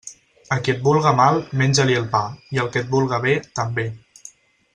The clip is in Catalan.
A qui et vulga mal, menja-li el pa, i al que et vulga bé, també.